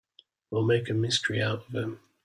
We'll make a mystery out of him.